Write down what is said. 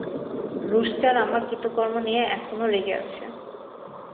Rooster আমার কৃতকর্ম নিয়ে এখনো রেগে আছে।